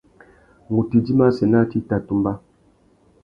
Ngu tà idjima assênatê i tà tumba.